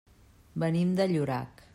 Venim de Llorac.